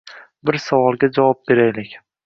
Bir savolga javob beraylik: